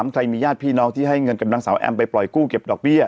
ใครมีญาติพี่น้องที่ให้เงินกับนางสาวแอมไปปล่อยกู้เก็บดอกเบี้ย